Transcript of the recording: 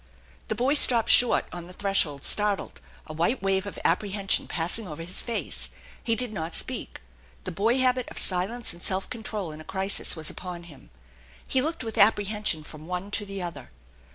The boy stopped short on the threshold, startled, a white Wave of apprehension passing over his face. He did not speak. The boy habit of silence and self control in a crisis was upon him. He looked with apprehension from one to the other.